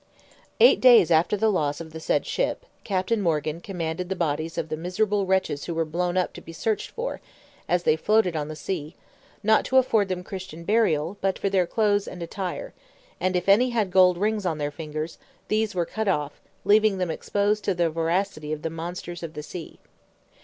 Eight days after the loss of the said ship, Captain Morgan commanded the bodies of the miserable wretches who were blown up to be searched for, as they floated on the sea; not to afford them Christian burial, but for their clothes and attire: and if any had gold rings on their fingers, these were cut off, leaving them exposed to the voracity of the monsters of the sea.